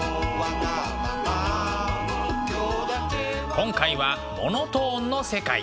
今回は「モノトーンの世界」。